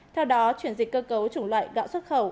theo đó chuyển dịch cơ cấu chủng loại gạo xuất khẩu